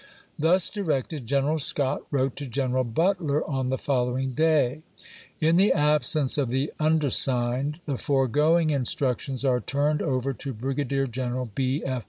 Thus directed, General Scott wrote to General Butler on the following day : In the absence of the undersigned, the foregoing in structions are turned over to Brigadier General B. F.